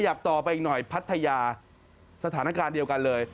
ต่อไปอีกหน่อยพัทยาสถานการณ์เดียวกันเลย